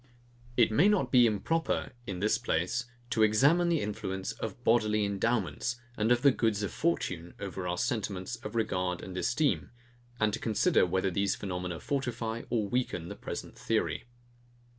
It may not be improper, in this place, to examine the influence of bodily endowments, and of the goods of fortune, over our sentiments of regard and esteem, and to consider whether these phenomena fortify or weaken the present theory.